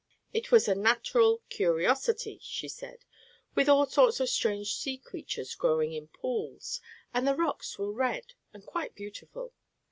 It was a "natteral curosity," she said, with all sorts of strange sea creatures growing in pools, and the rocks were red and quite beautiful.